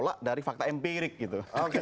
tidak bertolak dari fakta empirik gitu